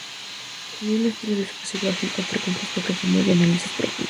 Tenía un estilo discursivo ágil, con frecuentes toques de humor y un análisis profundo.